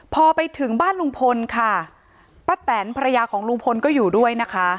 พอไปถึงบ้านลุงพลป้าแตนปรียาของลุงพลอยู่ด้วย